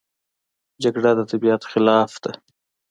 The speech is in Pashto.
جګړه د طبیعت خلاف ده